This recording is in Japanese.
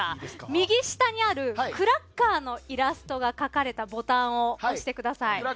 右下にあるクラッカーのイラストが描かれたボタンを押してください。